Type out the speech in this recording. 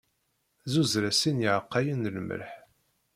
Zzuzer-as sin yiɛqqayen n lmelḥ.